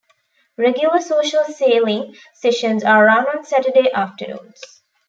Regular social sailing sessions are run on Saturday afternoons.